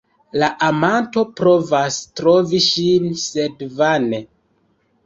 La amanto provas trovi ŝin, sed vane.